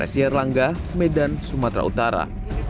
terlangga medan sumatera utara